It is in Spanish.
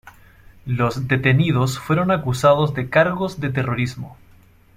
Los detenidos fueron acusados de cargos de terrorismo.